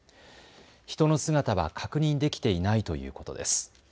人の姿は確認できていないということです。